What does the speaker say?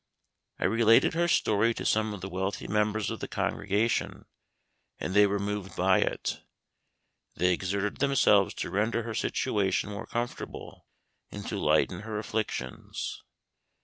I related her story to some of the wealthy members of the congregation, and they were moved by it. They exerted themselves to render her situation more comfortable, and to lighten her afflictions.